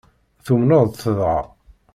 Tumneḍ-t dɣa?